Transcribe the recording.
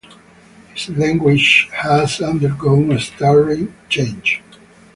His language has undergone a startling change.